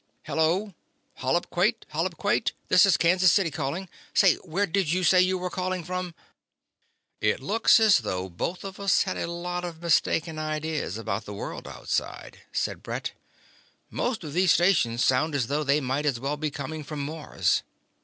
hello, Hollip Quate? Hollip Quate? This is Kansas City calling. Say, where did you say you were calling from...?" "It looks as though both of us had a lot of mistaken ideas about the world outside," said Brett. "Most of these stations sound as though they might as well be coming from Mars."